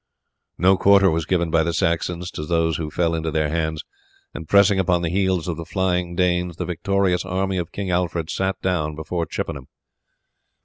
No quarter was given by the Saxons to those who fell into their hands, and pressing upon the heels of the flying Danes the victorious army of King Alfred sat down before Chippenham.